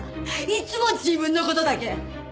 いつも自分の事だけ！